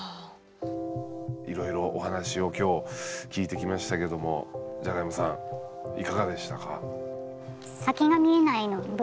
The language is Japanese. いろいろお話を今日聞いてきましたけどもじゃがいもさんいかがでしたか？